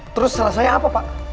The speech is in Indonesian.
terus selesai apa pak